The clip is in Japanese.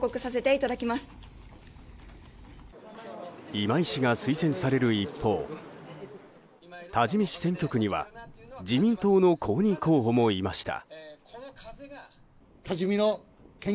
今井氏が推薦される一方多治見市選挙区には自民党の公認候補もいました。